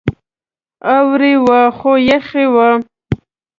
اوړی و خو یخې وې.